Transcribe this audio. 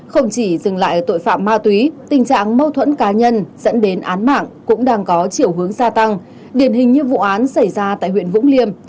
không chỉ dừng lại ở tội phạm ma túy tình trạng mâu thuẫn cá nhân dẫn đến án mạng cũng đang có chiều hướng gia tăng điển hình như vụ án xảy ra tại huyện vũng liêm